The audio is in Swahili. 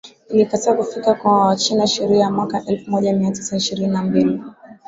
ilikataa kufika kwa Wachina sheria ya mwaka elfumoja miatisa ishirini na mbili